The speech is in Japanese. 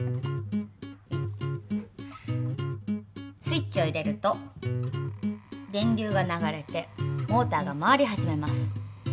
スイッチを入れると電流が流れてモーターが回り始めます。